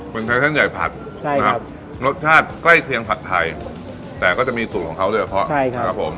คุณใช้เส้นใหญ่ผัดนะครับรสชาติใกล้เคียงผัดไทยแต่ก็จะมีสูตรของเขาด้วยเหรอครับพ่อใช่ครับ